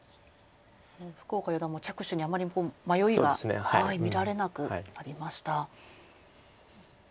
福岡四段も着手にあまり迷いが見られなくなりました。